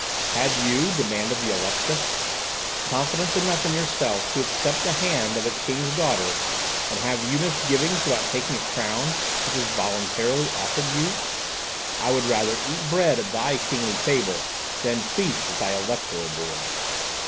"Had you," demanded the Electress, "confidence enough in yourself to accept the hand of a king's daughter, and have you misgivings about taking a crown which is voluntarily offered you? I would rather eat bread at thy kingly table, than feast at thy electoral board."